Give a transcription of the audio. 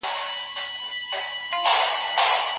سترګې له حقیقته پټیږي.